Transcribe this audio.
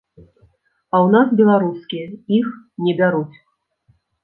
А ў нас беларускія, іх не бяруць.